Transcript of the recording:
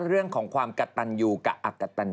เรื่องความกระตัญอยู่กับออกกระตัญอยู่